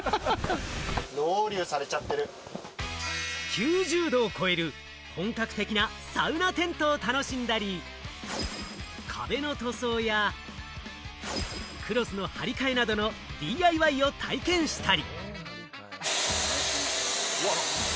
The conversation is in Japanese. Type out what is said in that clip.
９０度を超える本格的なサウナテントを楽しんだり、壁の塗装や、クロスの張り替えなどのＤＩＹを体験したり。